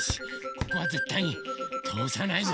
ここはぜったいにとおさないぞ！